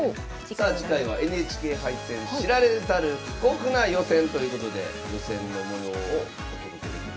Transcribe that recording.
さあ次回は「ＮＨＫ杯戦“知られざる過酷な予選”」ということで予選の模様をお届けできるんですよね。